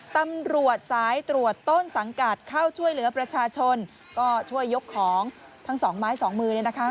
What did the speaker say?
ตำรวจสายตรวจต้นสังกัดเข้าช่วยเหลือประชาชนก็ช่วยยกของทั้งสองไม้สองมือเนี่ยนะคะ